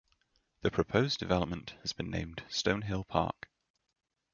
The proposed development has been named Stone Hill Park.